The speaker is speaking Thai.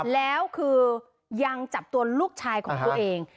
แล้วคือยังจับตัวลูกชายของตัวเอง